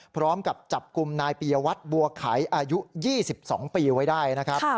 พร้อมกับจับกลุ่มนายปียวัตรบัวไขอายุ๒๒ปีไว้ได้นะครับ